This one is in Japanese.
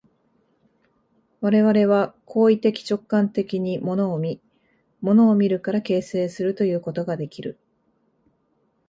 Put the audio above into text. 我々は行為的直観的に物を見、物を見るから形成するということができる。